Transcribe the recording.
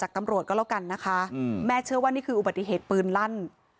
ตำรวจก็แล้วกันนะคะแม่เชื่อว่านี่คืออุบัติเหตุปืนลั่น